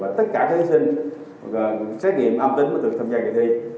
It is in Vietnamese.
xét nghiệm âm tính